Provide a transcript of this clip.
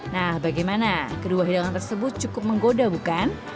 nah bagaimana kedua hidangan tersebut cukup menggoda bukan